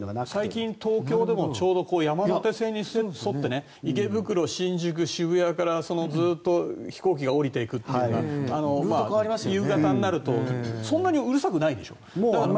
最近東京でも山手線に沿って池袋、新宿、渋谷に沿ってずっと飛行機が下りていくというのが夕方になるとそんなにうるさくないでしょ。